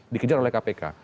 dikejar oleh kpk